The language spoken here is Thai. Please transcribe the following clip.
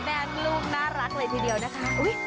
แดงลูกน่ารักเลยทีเดียวนะคะ